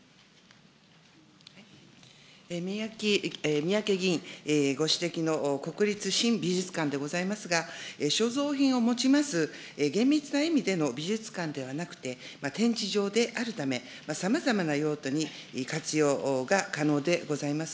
三宅議員ご指摘の国立新美術館でございますが、所蔵品を持ちます厳密な意味での美術館ではなくて、展示場であるため、さまざまな用途に活用が可能でございます。